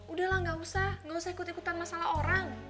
udahlah gak usah gak usah ikut ikutan masalah orang